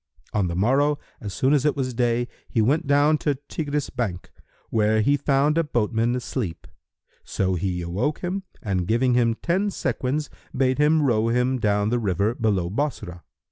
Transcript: On the morrow, as soon as it was day, he went down to Tigris bank, where he found a boatman asleep; so he awoke him and giving him ten sequins, bade him row him down the river below Bassorah.